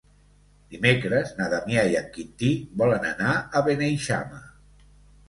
Dimecres na Damià i en Quintí volen anar a Beneixama.